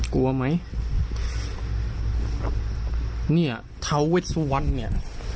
กลัวไหมเนี่ยท้าวีดสุวรรณเนี้ย